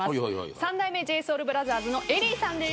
三代目ＪＳＯＵＬＢＲＯＴＨＥＲＳのＥＬＬＹさんです。